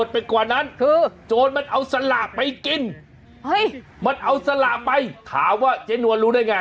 ถามว่าเจ้าหนัวรู้ได้ไง